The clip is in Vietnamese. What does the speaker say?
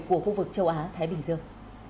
của khu vực châu á thái bình dương